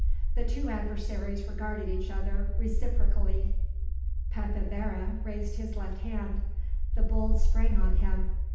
The two adversaries regarded each other reciprocally. Pepe Vera raised his left hand: the bull sprang on him.